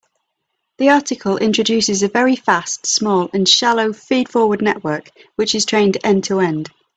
The article introduces a very fast, small, and shallow feed-forward network which is trained end-to-end.